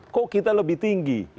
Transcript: kok kita lebih tinggi